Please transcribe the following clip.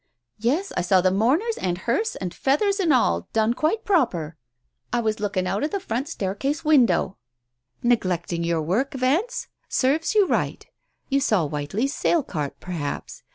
Yes, I saw the mourners and hearse and feathers and all — done quite proper. I was looking out of the front staircase window " "Neglecting your work, Vance? Serves you right. You saw Whiteley's sale cart, perhaps?